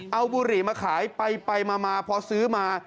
เอาบุหรี่มาขายไปมาพอซื้อมา